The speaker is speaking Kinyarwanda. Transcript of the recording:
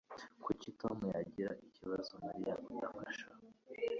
Kuki Tom yagira ikibazo Mariya adufasha?